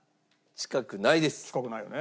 近くないよね